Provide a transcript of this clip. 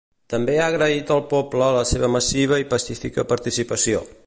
També ha agraït al poble la seva massiva i pacífica participació.